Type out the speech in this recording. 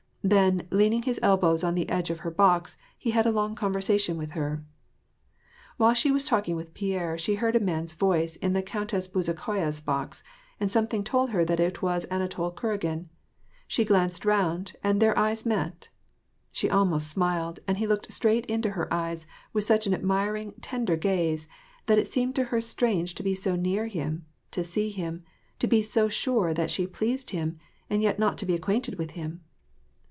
Then, leaning his elbows on tihe edge of her box, he had a long conversation with her. While she was talking with Pierre she heard a man's voice in the Countess Bezukhaya's box, and something told her that it was Anatol Kuragin. She glanced round, and their eyes met. She almost smiled, and he looked straight into her eyes with such an admiring, tender gaze that it seemed to her strange to be so near him, to see him, to be so sure that she pleased ^ him, and yet not to be acquainted with him